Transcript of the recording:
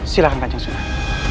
silahkan kacau surat